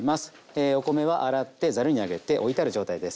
えお米は洗ってざるにあげておいてある状態です。